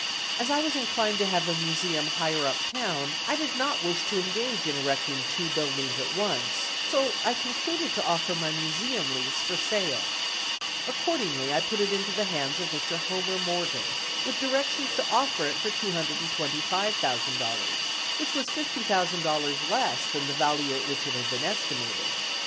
As I was inclined to have a museum higher up town, I did not wish to engage in erecting two buildings at once, so I concluded to offer my museum lease for sale. Accordingly, I put it into the hands of Mr. Homer Morgan, with directions to offer it for $225,000, which was $50,000 less than the value at which it had been estimated.